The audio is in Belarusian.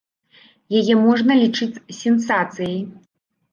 Яе можна лічыць сенсацыяй.